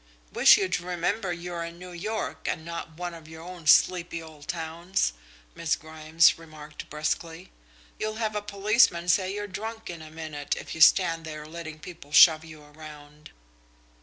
"Wish you'd remember you're in New York and not one of your own sleepy old towns," Miss Grimes remarked brusquely. "You'll have a policeman say you're drunk, in a minute, if you stand there letting people shove you around."